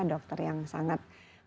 dokter yang sangat berkontrol